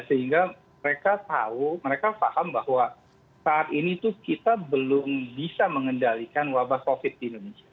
sehingga mereka tahu mereka paham bahwa saat ini tuh kita belum bisa mengendalikan wabah covid di indonesia